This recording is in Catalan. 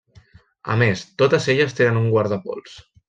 A més, totes elles tenen un guardapols.